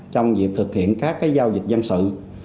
trong việc thực hiện các giao dịch dân sự